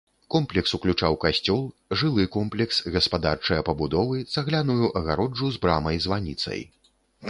Комплекс уключаў касцёл, жылы комплекс, гаспадарчыя пабудовы, цагляную агароджу з брамай-званіцай.